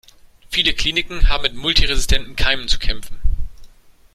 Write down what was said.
Viele Kliniken haben mit multiresistenten Keimen zu kämpfen.